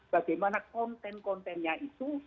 bagaimana konten kontennya itu